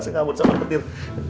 sengamun soal pedih